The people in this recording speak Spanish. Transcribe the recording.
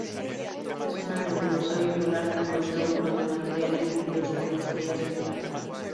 Es una nebulosa bipolar con dos lóbulos de material emitidos por la estrella central.